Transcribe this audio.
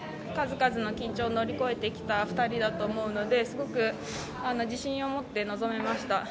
数々の緊張を乗り越えてきた２人だと思うのですごく自信を持って臨めました。